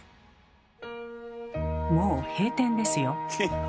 もう閉店ですよ。